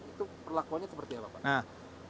itu perlakuannya seperti apa pak